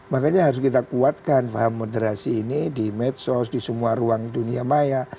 makanya harus kita kuatkan faham moderasi ini di medsos di semua ruang dunia maya